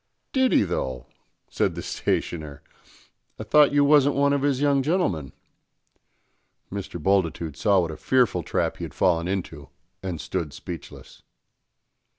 "Did he though?" said the stationer. "I thought you wasn't one of his young gentlemen?" Mr. Bultitude saw what a fearful trap he had fallen into and stood speechless.